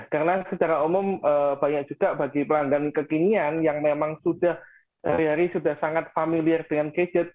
karena secara umum banyak juga bagi pelanggan kekinian yang memang hari hari sudah sangat familiar dengan gadget